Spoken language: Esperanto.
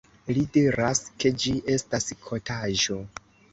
Li diras, ke ĝi estas kotaĵo!